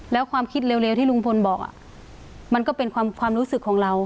แล้วความคิดเร็วที่ลุงพลบอกมันก็เป็นความรู้สึกของเรา